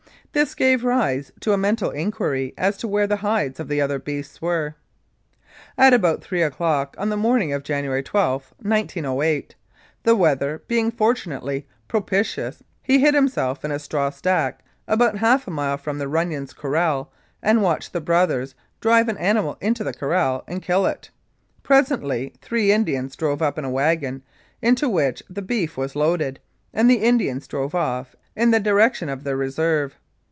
This gave rise to a mental inquiry as to where the hides of the other beasts were. At about three o'clock on the morning of January 12, 1908, the weather being fortunately propitious, he hid himself in a straw stack about half a mile from the Runnions' corral and watched the brothers drive an animal into the corral and kill it. Presently three Indians drove up in a wagon, into which the beef was loaded, and the Indians drove off in the direction of their Reserve.